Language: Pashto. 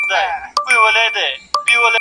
o نامردان د مړو لاري وهي.